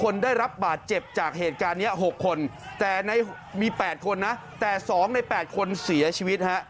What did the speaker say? น้องใน๘คนเสียชีวิตฮะ